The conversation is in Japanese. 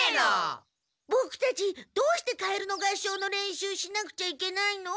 ボクたちどうしてカエルの合唱の練習しなくちゃいけないの？